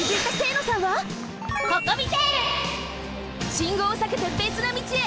信号をさけてべつの道へ。